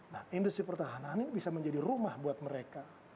nah industri pertahanan ini bisa menjadi rumah buat mereka